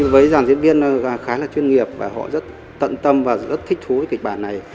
với giảng diễn viên khá là chuyên nghiệp và họ rất tận tâm và rất thích thú kịch bản này